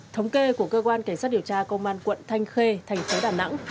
thống kê của cơ quan cảnh sát điều tra công an quận thanh khê thành phố đà nẵng